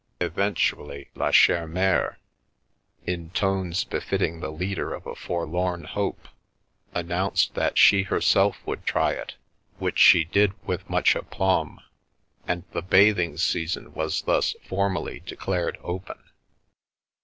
Eventually, La Chere Mere, in tones befitting the leader of a forlorn hope, announced that she herself would try it, which she did with much aplomb, and the bathing season was thus formally declared open.